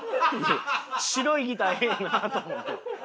白いギターええなと思って。